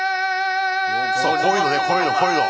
生きてくそうこういうのねこういうのこういうの。